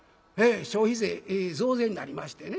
消費税増税になりましてね。